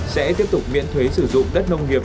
sẽ tiếp tục miễn thuế sử dụng đất nông nghiệp